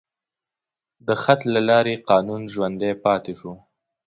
د خط له لارې قانون ژوندی پاتې شو.